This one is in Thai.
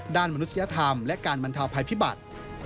มนุษยธรรมและการบรรเทาภัยพิบัติ